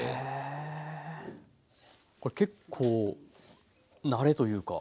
へえこれ結構慣れというか。